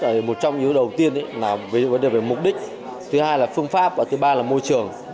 ở một trong những cái đầu tiên là vấn đề về mục đích thứ hai là phương pháp và thứ ba là môi trường